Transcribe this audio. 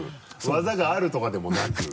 技があるとかでもなく。